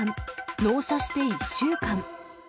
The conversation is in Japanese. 納車して１週間。